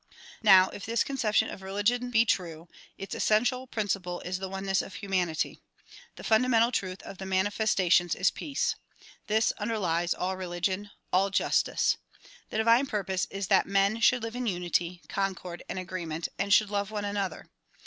Now if this conception of religion be true, i'ts essential principle is the oneness of humanity. The fundamental truth of the manifestations is peace. This underlies all religion, all justice. The divine purpose is that men should live in unity, concord and agreement and should love one another.